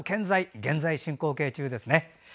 現在進行形中ですね。